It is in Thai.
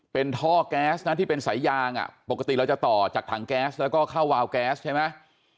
เป็นท่อแก๊สนะที่เป็นสายยางอ่ะปกติเราจะต่อจากถังแก๊สแล้วก็เข้าวาวแก๊สใช่ไหม